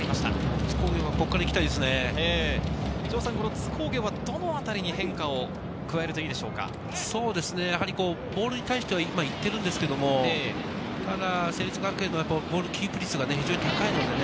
津工業は、ここから行きた津工業はどのあたりに変ボールに対しては今いっているんですけれども、ただ成立学園はボールキープ率が非常に高いのでね。